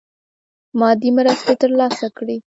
مادي مرستي تر لاسه کړي.